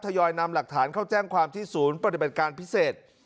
ยอยนำหลักฐานเข้าแจ้งความที่ศูนย์ปฏิบัติการพิเศษ